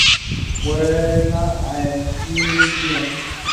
A separate Canadian Tour took place in August and October.